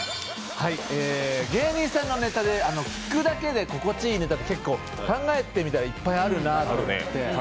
芸人さんのネタで聴くだけで心地いいネタって結構、考えてみたらいっぱいあるなと思って。